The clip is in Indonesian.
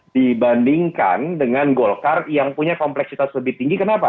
dibandingkan dengan golkar yang punya kompleksitas lebih tinggi kenapa